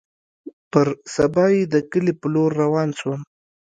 پر سبا يې د کلي په لور روان سوم.